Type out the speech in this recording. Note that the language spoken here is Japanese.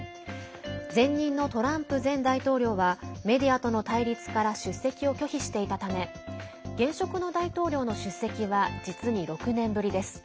前任のトランプ前大統領はメディアとの対立から出席を拒否していたため現職の大統領の出席は実に６年ぶりです。